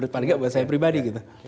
paling tidak buat saya pribadi